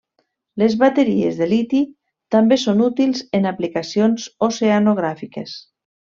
Les bateries de liti també són útils en aplicacions oceanogràfiques.